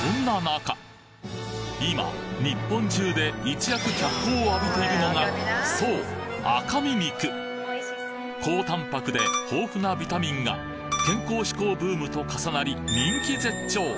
今日本中で一躍脚光を浴びているのがそう高タンパクで豊富なビタミンが健康志向ブームと重なり人気絶頂